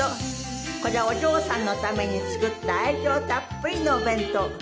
これはお嬢さんのために作った愛情たっぷりのお弁当。